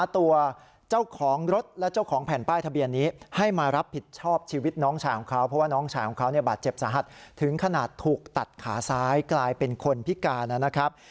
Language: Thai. ถูกตัดขาซ้ายกลายเป็นคนพิการนะครับ